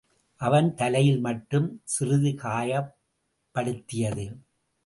அவன் தலையில் மட்டும் சிறிது காயப்படுத்தியது.